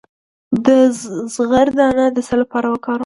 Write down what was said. د زغر دانه د څه لپاره وکاروم؟